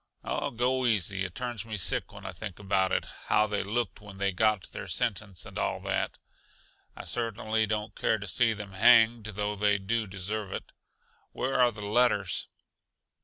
"Oh, go easy. It turns me sick when I think about it; how they looked when they got their sentence, and all that. I certainly don't care to see them hanged, though they do deserve it. Where are the letters?"